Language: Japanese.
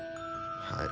はい。